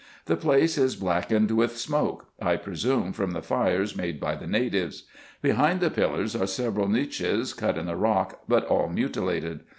The place is blackened with smoke, I presume from the fires made by the natives. Behind the pillars are several niches cut in the rock, but all mutilated.